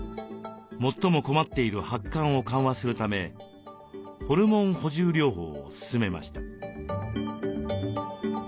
最も困っている発汗を緩和するためホルモン補充療法を勧めました。